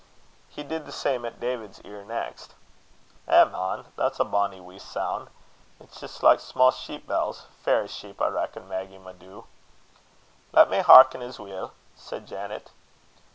He did the same at David's ear next. "Eh, man! that's a bonny wee soun'! It's jist like sma' sheep bells fairy sheep, I reckon, Maggy, my doo." "Lat me hearken as weel," said Janet.